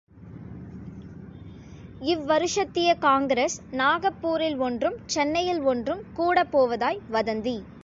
இவ்வருஷத்திய Congress நாகப்பூரில் ஒன்றும் சென்னையில் ஒன்றும் கூடப் போவதாய் வதந்தி.